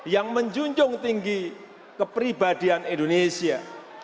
yang menjunjung tinggi kepribadian indonesia